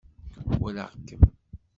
Walaɣ-kem.